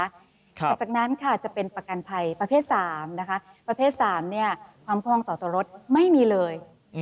หลังจากนั้นค่ะจะเป็นประกันภัยประเภท๓นะคะประเภท๓ความพองต่อตัวรถไม่มีเลย